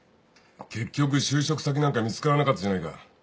結局就職先なんか見つからなかったじゃないか。